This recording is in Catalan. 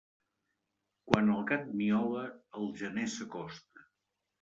Quan el gat miola, el gener s'acosta.